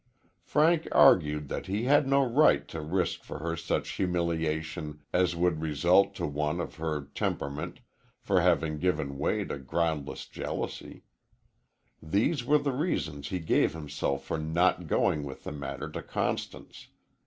Frank argued that he had no right to risk for her such humiliation as would result to one of her temperament for having given way to groundless jealousy. These were the reasons he gave himself for not going with the matter to Constance.